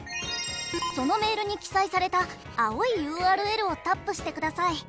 そのメールに記載された青いＵＲＬをタップしてください。